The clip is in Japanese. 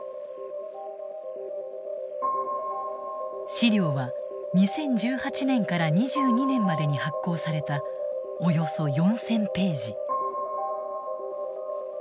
資料は２０１８年から２２年までに発行されたおよそ４，０００ページ。